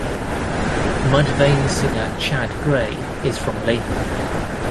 Mudvayne singer Chad Gray is from Latham.